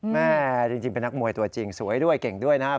แม่จริงเป็นนักมวยตัวจริงสวยด้วยเก่งด้วยนะครับ